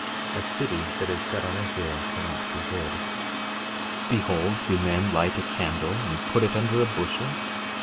A city that is set on a hill cannot be hid. 12:15 Behold, do men light a candle and put it under a bushel?